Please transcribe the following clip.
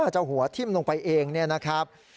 จะหัวทิ้มลงไปเองเนี่ยนะครับ